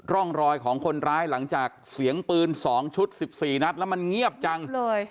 ร่องรอยของคนร้ายหลังจากเสียงปืน๒ชุด๑๔นัดแล้วมันเงียบจังเลย